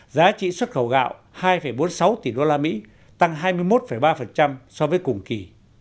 giá trị xuất khẩu gạo hai bốn mươi sáu tỷ usd tăng hai mươi một ba so với cùng kỳ